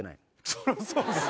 そりゃそうです。